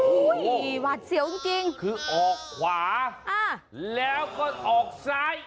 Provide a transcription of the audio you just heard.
อู่ม่อยม่อยวาดเสียวจริงคือออกขวาแล้วพอออกซ้าย